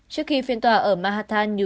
trước khi phiên tòa ở manhattan new york